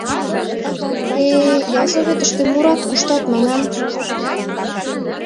Э... ялсоветыште мурат, куштат, манам...